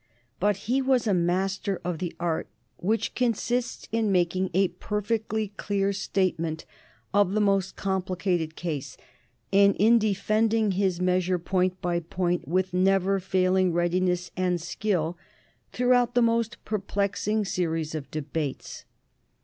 But he was a master of the art which consists in making a perfectly clear statement of the most complicated case, and in defending his measure point by point with never failing readiness and skill throughout the most perplexing series of debates.